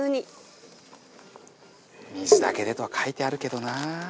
「水だけで」とは書いてあるけどな。